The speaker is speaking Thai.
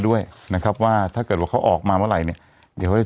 ด้วยนะครับว่าถ้าเกิดว่าเขาออกมาเมื่อไหร่เนี่ยเดี๋ยวเขาจะ